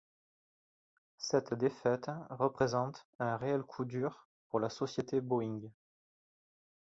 Cette défaite représente un réel coup dur pour la société Boeing.